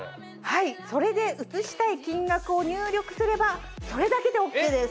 はいそれで移したい金額を入力すればそれだけでＯＫです。